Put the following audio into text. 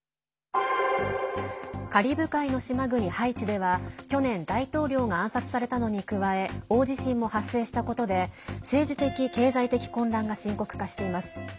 カリブ海の島国ハイチでは去年、大統領が暗殺されたのに加え大地震も発生したことで政治的、経済的混乱が深刻化しています。